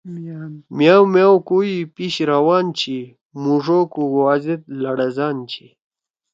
میاؤ میاؤ کویی پِیش روان چھی۔ مُوݜ او کُگُوا زید لڑزان چھی۔